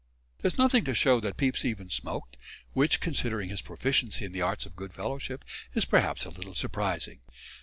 There is nothing to show that Pepys even smoked, which considering his proficiency in the arts of good fellowship, is perhaps a little surprising.